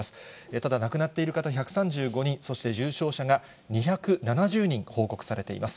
ただ、亡くなっている方１３５人、そして重症者が２７０人報告されています。